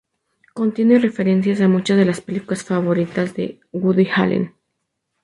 Contiene referencias a muchas de las películas favoritas de Woody Allen.